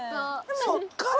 そっから？